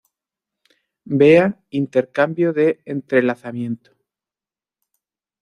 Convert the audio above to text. Vea Intercambio de entrelazamiento.